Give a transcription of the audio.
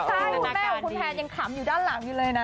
ใช่คุณแม่ของคุณแพนยังขำอยู่ด้านหลังอยู่เลยนะ